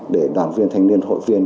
để đoàn viên thanh niên hội viên